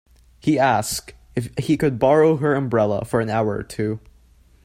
He asked if he could borrow her umbrella for an hour or two